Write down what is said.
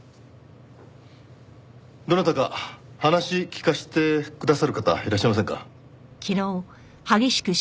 どなたか話聞かせてくださる方いらっしゃいませんか？